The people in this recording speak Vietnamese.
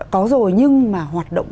có rồi nhưng mà hoạt động